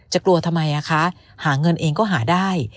กลัวทำไมคะหาเงินเองก็หาได้